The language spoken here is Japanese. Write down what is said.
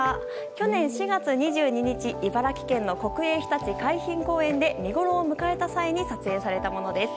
去年４月２２日、茨城県の国営ひたち海浜公園で見ごろを迎えた際に撮影されたものです。